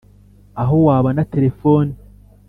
Aho wabona telefoni